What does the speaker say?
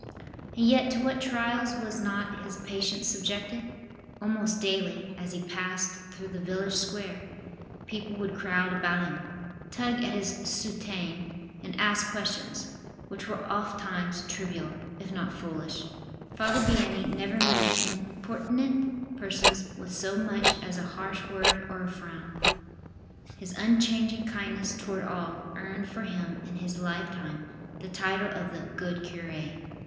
And yet to what trials was not his patience subjected? Almost daily, as he passed through the village square, people would crowd about him, tug at his soutane and ask questions, which were oftimes trivial, if not foolish. Father Vianney never met importunate persons with so much as a harsh word or a frown. His unchanging kindness toward all earned for him in his life time the title of the "Good Cure."